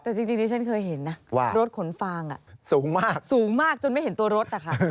แต่จริงนี้ฉันเคยเห็นนะรถขนฟางสูงมากจนไม่เห็นตัวรถอ่ะค่ะ